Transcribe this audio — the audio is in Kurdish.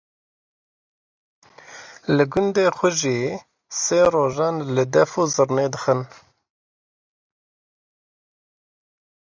Li gundê xwe jî sê rojan li def û zirnê dixin.